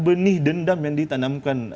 benih dendam yang ditanamkan